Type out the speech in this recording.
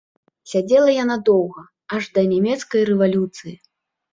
Сядзела яна доўга, аж да нямецкай рэвалюцыі.